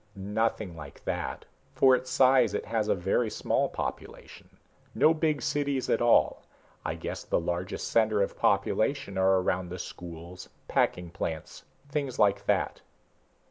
"Nothing like that. For its size, it has a very small population. No big cities at all. I guess the largest centers of population are around the schools, packing plants, things like that."